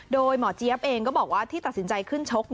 โดยหมอเจี๊ยบเองก็บอกว่าที่ตัดสินใจขึ้นชก